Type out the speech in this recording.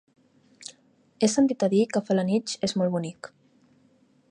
He sentit a dir que Felanitx és molt bonic.